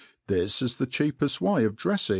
This is the cheapeft way of drefling.